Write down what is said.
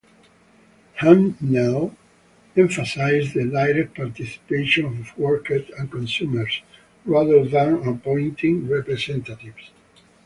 Hahnel emphasizes the direct participation of worker and consumers, rather than appointing representatives.